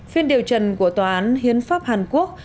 phiên điều trần của tòa án hiến pháp hàn quốc